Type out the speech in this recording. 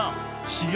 試合